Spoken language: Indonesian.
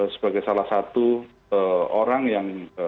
sebagai salah satu orang yang